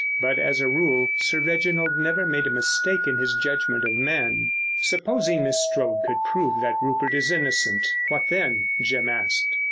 But, as a rule, Sir Reginald never made a mistake in his judgment of men. "Supposing Miss Strode could prove that Rupert is innocent, what then?" Jim asked.